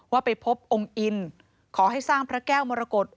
ไปพบองค์อินขอให้สร้างพระแก้วมรกฏ